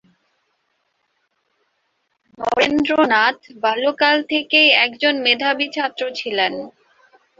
নরেন্দ্রনাথ বাল্যকাল থেকেই একজন মেধাবী ছাত্র ছিলেন।